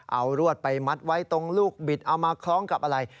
เอารวดไปมัดไว้ตรงลูกบิดเอามาคล้องกับอะไร